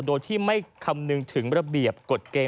โดยที่ไม่คำนึงถึงระเบียบกฎเกณฑ